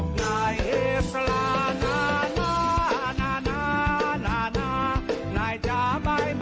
กลัวพ่าขาวม้าหลุด